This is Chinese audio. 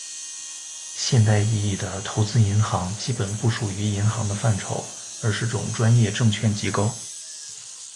现代意义的投资银行基本不属于银行的范畴，而是种专业证券机构。